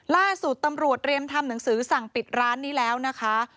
ล่าสุดตำรวจเรียมทำหนังสือสั่งปิดร้านนี้แล้วนะคะ